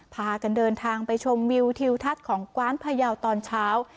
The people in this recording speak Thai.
พากันเดินทางไปชมวิวทิวทัศน์ของกว้านพยาวตอนเช้า